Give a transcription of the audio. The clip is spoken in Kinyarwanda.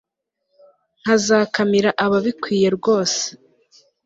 nkazakamira ababikwiye rwose